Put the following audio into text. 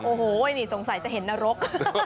โอ้โหนี่สงสัยจะเห็นนรก